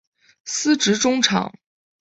司职中场。